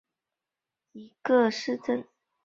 施塔特劳林根是德国巴伐利亚州的一个市镇。